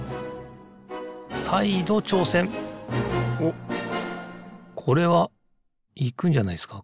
おっこれはいくんじゃないですか